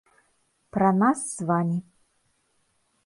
Пра нас з вамі.